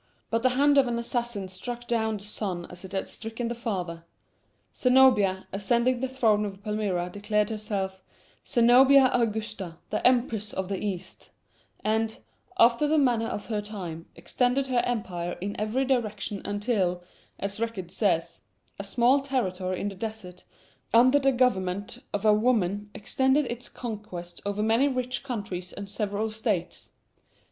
But the hand of an assassin struck down the son as it had stricken the father. Zenobia, ascending the throne of Palmyra, declared herself "Zenobia Augusta, the Empress of the East," and, after the manner of her time, extended her empire in every direction until, as the record says: "A small territory in the desert, under the government of a woman, extended its conquests over many rich countries and several states.